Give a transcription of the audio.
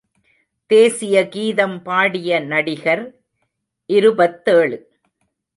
தேசிய கீதம் பாடிய நடிகர் இருபத்தேழு.